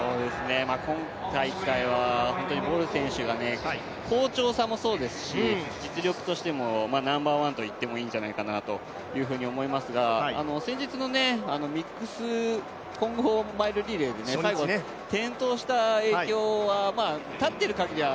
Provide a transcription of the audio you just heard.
今大会はボル選手が好調さもそうですし、実力としてもナンバーワンと言ってもいいんじゃないかなというふうに思いますが先日のミックス混合マイルリレーで、最後、転倒した影響は立っているかぎりは